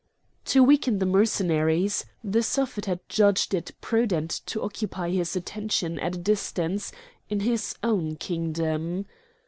To weaken the Mercenaries the Suffet had judged it prudent to occupy his attention at a distance in his own kingdom.